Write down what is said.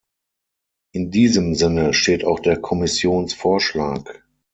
In diesem Sinne steht auch der Kommissionsvorschlag.